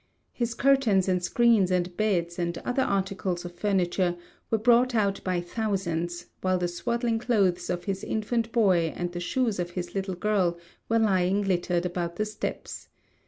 His curtains, and screens, and beds, and other articles of furniture were brought out by thousands; while the swaddling clothes of his infant boy and the shoes of his little girl were lying littered about the steps.